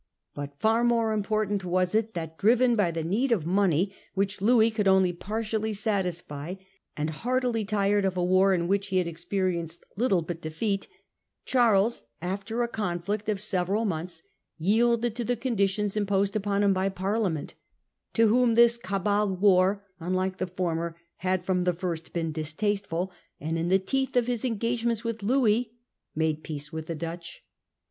But far more important was it that, driven by the need of money, which Louis could only partially satisfy, and heartily tired of a war in which he had experienced little but defeat, Charles, after a conflict of several months, yielded to the conditions imposed upon him by Parliament, to whom this Cabal war, unlike the former, had from the first been distasteful, and, in the teeth of his engagements 220 Invasion of the United Provinces. 1674. with Louis, made peace with the Dutch.